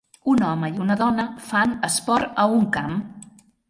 Un home i una dona fan esport a un camp.